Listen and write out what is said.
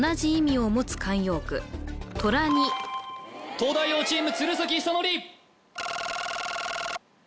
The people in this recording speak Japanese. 東大王チーム鶴崎修功